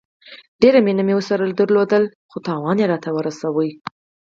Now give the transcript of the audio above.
ډيره مينه ورسره لرله خو تاوان يي راته رسوو